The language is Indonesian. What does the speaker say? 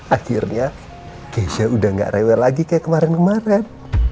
akhirnya saya udah gak rewel lagi kayak kemarin kemarin